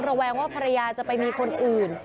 แวงว่าภรรยาจะไปมีคนอื่น